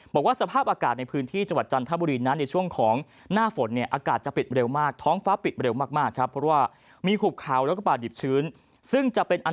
บอกว่าสภาพอากาศในจังหวัดจันทร์ทบุรีช่วงของน่าฝน